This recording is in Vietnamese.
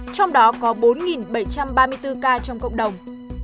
trong đó có bốn bảy trăm ba mươi bốn ca trong cộng đồng